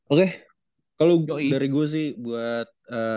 oke kalau dari gue sih buat